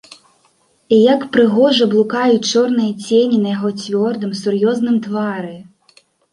І як прыгожа блукаюць чорныя цені на яго цвёрдым, сур'ёзным твары!